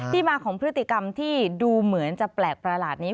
มาของพฤติกรรมที่ดูเหมือนจะแปลกประหลาดนี้